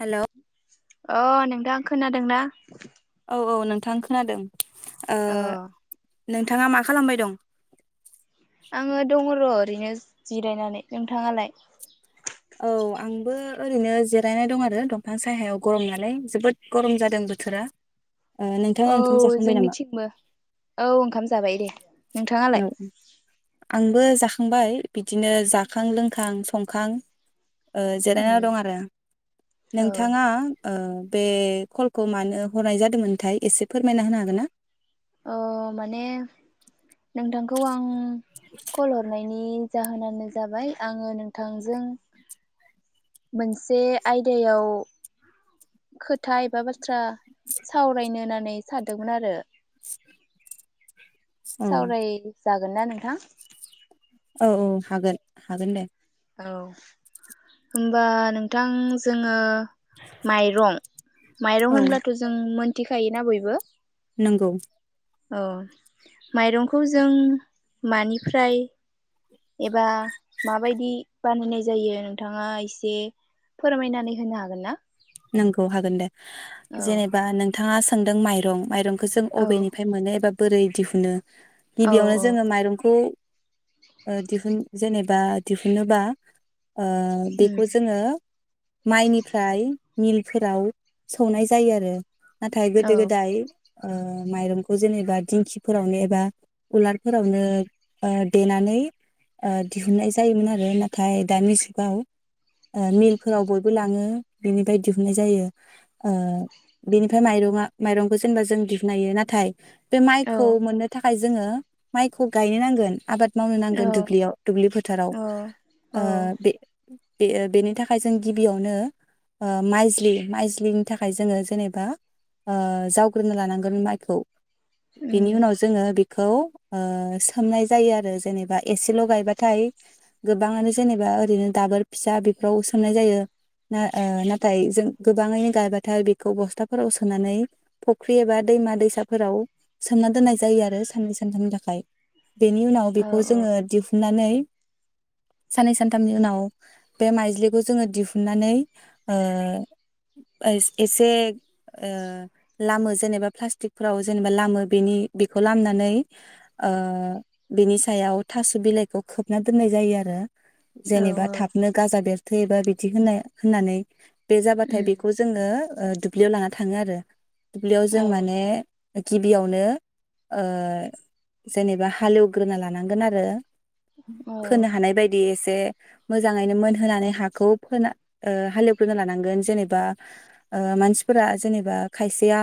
हेल' अ नोंथांं खोनादोंना औ औ नोंथां खोनादों ओ अ नोंथाङा मा खालामबाय दं आङो दङ र' ओरैनो जिरायनानै नोंथाङालाय औ आंबो ओरैनो जिरायना दं आरो दंफां साहायाव गरम नालाय जोबोद गरम जादों बोथोरा ओ नोंथाङा औ ओंखाम जाखांबाय नामा? जोंनिथिंबो औ ओंखाम जाबाय दे औ नोंथाङालाय आंबो जाखांबाय बिदिनो जाखां लोंखां संखां जिरायना दं आरो औ नोंथाङा बे कलखौ मानो हरनाय जादोंमोनथाय एसे फोरमायना होनो हागोन ना अ औ आं कल हरनायनि जाहोनानो जाबाय आङो नोंथांजों मोनसे आयदायाव खोथा एबा बाथ्रा बाथ्रा सावरायनो होनानै सानदोंमोन आरो औ सावराय जागोन ना नोंथां औ औ हागोन हागोन दे औ होनबा नोंथां जोङो माइरं औ माइरं होनब्लाथ' जों मिथिखायोना बयबो नोंगौ अ माइरंखौ जों मानिफ्राय एबा माबायदि बानायनाय जायो नोंथाङा एसे फोरमायनानै होनो हागोन ना नंगौ हागोन दे औ जेनेबा नोंथाङा सोनदों माइरं माइरं जों औ अबेनिफ्राय मोनो एबा बोरै दिहुनो औ गिबियावनो औ जोङो माइरंखौ ओ दिहुन जेनेबा दिहुनोबा ओ उम बेखौ जोङो माइनिफ्राय मिलफोराव सौनाय जायो आरो नाथाय औ गोदो गोदाय ओ माइरंखौ जेनेबा दिंखिफोरावनो एबा उलारफोरावनो देनानै दिहुननाय जायोमोन आरो नाथाय दानि जुगाव मिलफोराव बयबो लाङो बेनि फ्राय दिहुननाय जायो ओ बेनिफ्राय माइरा माइरंखौ जेनेबा जों दिहुननो हायो नाथाय बे औ माइखौ मोननो थाखाय थाखाय जोङो माइखौ गायनो नांगोन आबाद मावनो नांगोन दुब्लियाव दुब्लि फोथाराव औ औ बे बे बेनि थाखाय जों गिबियावनो ओ माइज्लि माइज्लिनि थाखाय जोङो जेनेबा जावग्रोनो लानांगोन माइखौ बेनि उम उनाव जोङो बे खौ ओ सोमनाय जायो आरो जेनेबा एसेल गायबाथाय गोबाङानो जेनेबा ओरैनो दाबोर फिसा बेफोराव सोमनाय जायो ना ओ नाथाय जों गोबाङैनो गायबाथाय बेखौ बस्थाफोराव सोनानै फुख्रि एबा दैमा दैसाफोराव सोमना दोननाय जायो आरो साननै सानथामनि थाखाय बेनि उनाव औ बेखौ जोङो दिहुननानै साननै सानथामनि उनाव बे माइज्लिखौ जोङो दिहुननानै ओ एसे ओ लामो जेनेबा प्लास्टिकफोराव जेनेबा लामो बेनि बेखौ लामनानै ओ बेनि सायाव थास' बिलाइखौ खोबना दोननाय जायो आरो औ जेनेबा थाबनो गाजा देर थैबा बिदि होनाय होननानै बे जाबाथाय उम बेखौ जोङो ओ दुब्लियाव लाना थाङो आरो दुब्लियाव औ जों माने गिबियावनो ओ जेनेबा हालेवग्रोना लानांगोन आरो फोनो हानाय बायदि एसे जे मोजाङैनो मोनहोनानै हाखौ फोना ओ हालेवग्रोनो लानांगोन जेनेबा मानसिफोरा जेनेबा खायसेया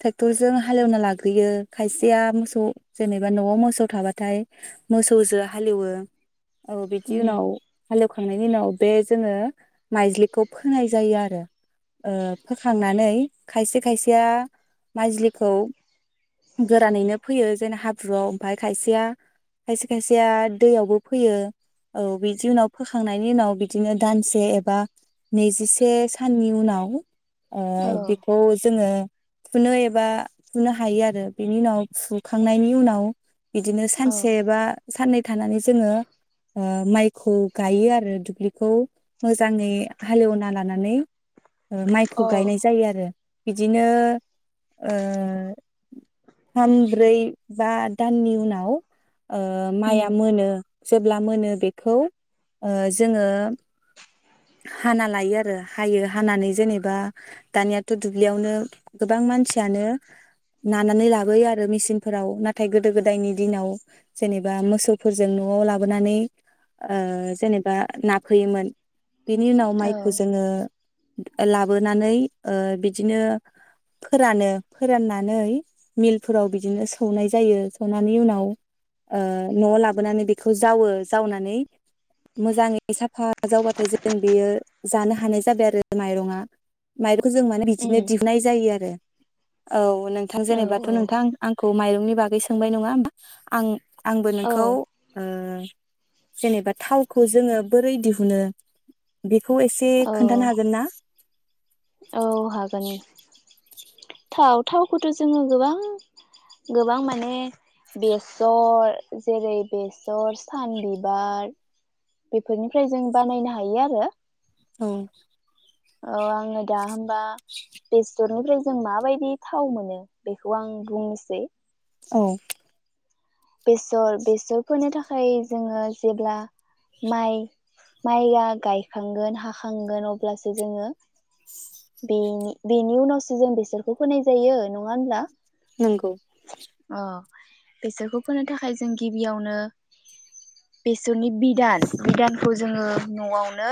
ट्रेक्टर जों हालेवना लागोन दुगैयो खायसेया मोसौ जेनेबा नआव मोसौ थाबाथाय मोसौजो हालेवो औ बिदि उम उनाव हाल एवखांनायनि उनाव बे जोङो माइज्लिखौ फोनाय जायो आरो ओ फोखांनानै खायसे खायसेया माइजलिखौ गोरानैनो फोयो जेनना हाब्रुआव ओमफ्राय खायसेया खायसे खायसेया दैयावबो फोयो औ बिदि उनाव फोखांनायनि उनाव बिदिनो दानसे एबा नैजिसे साननि उनाव अ औ बेखौ जोङो फुनो एबा फुनो हायो आरो बेनि उनाव फुखांनायनि उनाव बिदिनो औ सानसे एबा साननै थानानै जोङो ओ माइखौ गायो आरो दुब्लिखौ मोजाङै हालेवना लानानै माइखौ औ गायनाय जायो आरो बिदिनो ओ थाम ब्रै बा दाननि उनाव ओ उम औ माइआ उम मोनो जेब्ला मोनो बेखौ ओ जोङो हाना लायो आरो हायो हानानै जेनेबा दानियाथ दुब्लियावनो गोबां मानसियानो नानानै लाबोयो आरो मेसिनफोराव नाथाय गोदो गोदायनि दिनाव जेनेबा मोसौफोरजों नआव लाबोनानै ओ जेनेबा नाफैयोमोन बिनि उनाव औ माइखौ जोङो लाबोनानै ओ बिदिनो फोरानो फोराननानै मिलफोराव बिदिनो सौनाय जायो सौनानै उनाव ओ नयाव लाबोनानै बेखौ जावो जावनानै मोजाङै साफा जावबा नाथाय जों बेयो जानो हानाय जाबाय आरो माइरङा माइरं जों माने बिदिनो दिहुननाय जायो आरो औ नोंथां औ जेन'बाथ नोंथां आंखौ खौ माइरंनि बागै सोंबाय नङा होमबा आं आंबो नोंखौ औ ओ जेनेबा थावखौ जोङो बोरै दिहुनो बे खौ एसे खोन्थानो हागोन ना औ हागोन थाव थावखौथ जोङो गोबां गोबां माने बेसर जेरै बेसर सान बिबार बेफोरनिफ्राय जों बानायनो हायो आरो औ औ आं दा हाम बा बेफोरनिफ्राय जों मा बायदि थाव मोनो बेखौ आं बुंनोसै औ बेसर बेसर फोनो थाखाय जोङो जेब्ला माइ माइआ गायखांगोन हाखांगोन अब्लासो जोङो बेनि बेनि उनावसो जों बेसरखौ फोनाय जायो नङा होमब्ला नंगौ बेसाखौब फोनो थाखाय जों गिबियावनो बेसरनि बिदान बिदानखौ जोङो न'आवनो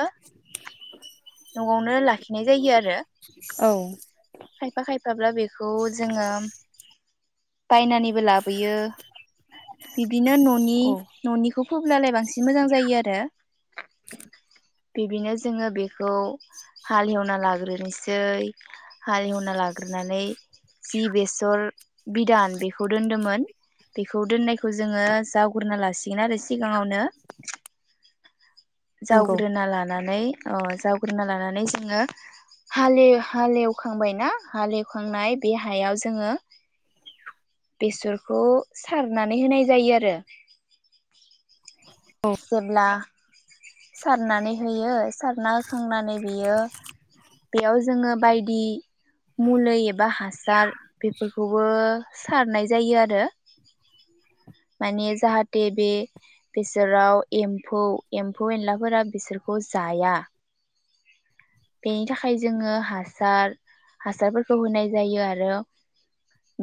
न'आवनो लाखि लखिनाय जायो आरो औ खायफा खायफा थाब्ला बे बे खौ जोङो बायनानैबो लाबोयो बिब्दिनो न'नि औ न'निखौ फोबलालाय बांसिन मोजां जायो आरो बिदिनो जोङो बे बेखौ हालेवना लाग्रोनोसै हालेवना लाग्रोनानै जि बेसर बिदान बेखौ दोन्दोंमोन बेखौ दोननायखौ जोङो जावग्रा लासिगोन गिनआरो सिगाङावनो नंगौ जावग्रोना लानो नानै अ जो जावग्रोना लानानै जोङो हाले हालेवखांबायनाा हालेवखांनाय बे हायाव जोङो बेसरखौ सारनानै होनाय जायो आरो जब्ला सारनानै होयो सारना होखांनानै बियो बेयाव जोङो बायदि मुलि एबा हासार बेफोरखौबो सारनाय जायो आरो माने जाहाथे बे बेसोराव एम्फौ एम्फौ एनलाफोरा बिसोरखौ जाया बेनि थाखाय जोङो हासार हासारफोरखौ होनाय जायो आरो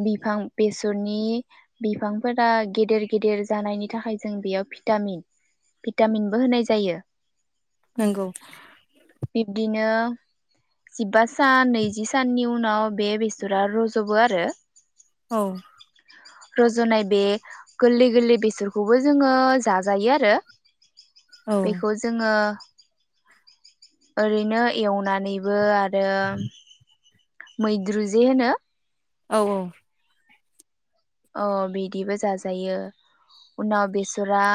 बिफां बेसरनि बिफांफोरा गेदेर गेदेर जानायनि थाखाय जों बेयाव भिटामिन भिटामिनबो होनाय जायो नंगौ बिदिनो जिबा सान नैजि साननि उनाव बे बेसरा रज'बो आरो औ रज'नाय बे गोरलै गोरलै बेसरखौबो जोङो जाजायो आरो औ बेखौ जोङो ओरैनो एवनानैबो आरो मैद्रु जे होनो औ औ अ बिदिबो जाजायो उनाव बेसरा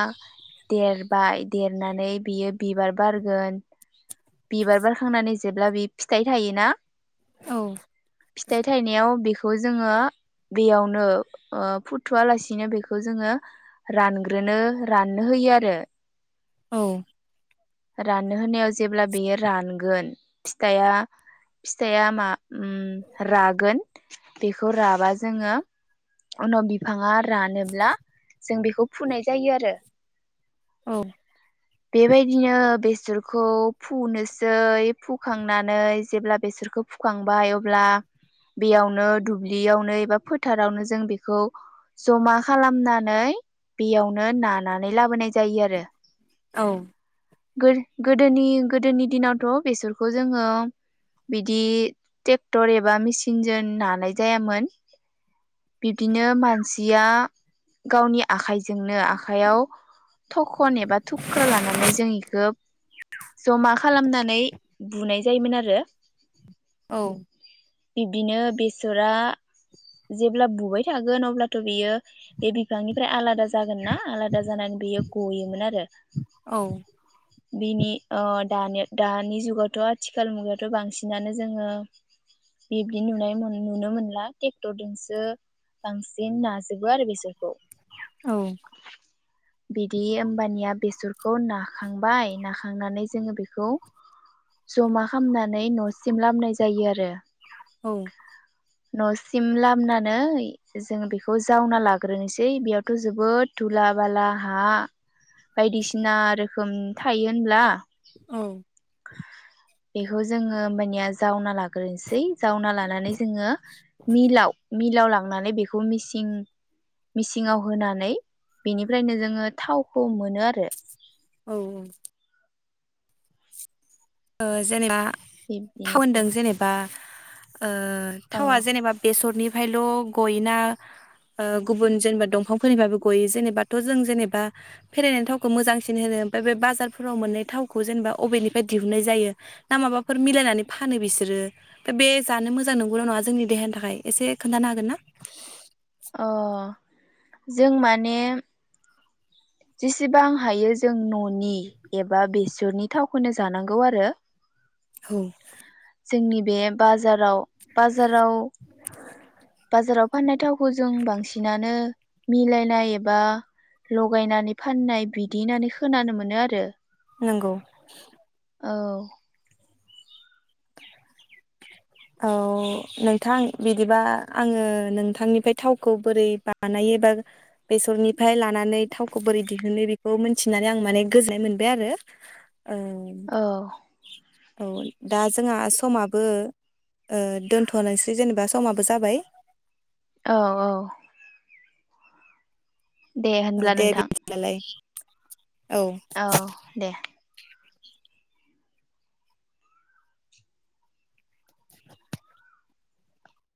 देरबाय देरनानै बियो बिबार बारगोन बिबार बारखांनानै जेब्ला बि फिथाइ थायोना औ फिथाइ थायनायाव बेखौ बे खौ जोङो बेयावनो फुथुआ लासिनो बेखौ जोङो रानग्रोनो राननो होयो आरो औ राननो होनायाव जेब्ला बेयो रानगोन फिथाइया फिथाइया मा रागोन बेखौ राबा जोङो उनाव बिफाङा रानोब्ला जों बेखौ फुनाय जायो आरो औ बेबायदिनो बेसरखौ फुनोसै फुखांनानै जेब्ला बेसरखौ फुखांबाय अब्ला बेयावनो दुब्लियावनो एबा फोथारावनो जों बेखौ जमा खालामनानै बेयावनो नानानै लाबोनाय जायो आरो औ गोदोनि गोदोनि दिनावथ' बेसरखौ जोङो बिदि ट्रेक्टर एबा मेचिनजों नानाय जायामोन बिब्दिनो मानसिया गावनि आखाइजोंनो आखायाव थख' जमा खालामनानै बुनाय जायोमोन आरो औ बिब्दिनो बेसरा जेब्ला बुबाय थागोन अब्लाथ' बियो बे बिफांनिफ्राय आलादा जागोन ना आलादा जानानै बेयो बुयोमोन आरो औ बिनि अ दानि दानि जुगावथ' आथिखाल मुगायाथ' बांसिनानो जोङो बिबदि नुनाय नुनो मोनला ट्रेक्टरजोंसो बांसिन नाजोबो आरो बेसरखौ औ [inaudible] बि ओमबानिया बेसरखौ नाखांबाय नाखांनानै जोङो बेखौ जमा खालामनानै न'सिम लाबोनाय जायो आरो औ न'सिम लाबोनानै जों बेखौ जावना लाग्रोनोसै बेयावथ' जोबोद धुला बाला हा बायदिसिना रोखोम थायो होनब्ला औ बेखौ जोङो होमनिया जावना लागोन ग्रोनोसै जावना लानानै जोङो मिलाव मिलाव लांनानै बेखौ मिसिं मिसिंङाव होनानै बेनिफ्रायनो जोङो थाव मोनो आरो औ औ जेनेबा बिब्दिनोसै टाउनदों जेनेबा [inaudible] ओ अ थावा जेनेबा बेसरनि फायल' गयोना ओ गुबुन जेनेबा दंफांफोरनिफायबो गयो जेनेबाथ' जों जेनेबा फेरायनाय थावखौ मोजांसिन होनो ओमफाय बे बाजारफोराव मोनननाय थावखौ जेनेबा अबेनिफ्राय दिहुननाय जायो ना माबाफोर मिलायनानै फानो बिसोरो दा बे जानो मोजां नंगौना नङा जोंनि देहानि थाखाय एसे खोन्थानो हागोन ना अ जों माने जेसेबां हायो जों न'नि एबा बेसरनि थावखौनो जानांगौ आरो औ जोंनि बे बाजाराव बाजाराव बाजाराव फाननाय थावखौ जों बांसिनानो मिलायनाय एबा लगायनानै फाननाय बिदि होननानै खोनानो मोनो आरो नंगौ औ औ नोंथां बिदिबा आङो नोंथांनिफ्राय थावखौ बोरै बानायो बा बेसरनिफ्राय लानानै थावखौ बोरै दिहुनो बेखौ मोनथिनानै आं माने गोजोननाय मोनबाय आरो औ औ औ दा जोंहा समाबो ओ दोनथ'नोसै जेनेबा समाबो जाबाय औ औ दे होनब्ला दे नोंथां बिदिब्ला लाय औ दे